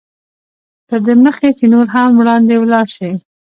تر دې مخکې چې نور هم وړاندې ولاړ شئ.